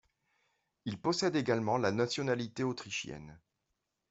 Il possède également la nationalité autrichienne.